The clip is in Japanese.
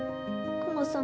クマさん。